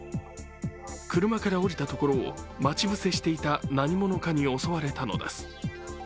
車から降りたところを待ち伏せしていた何者かに襲われたのです。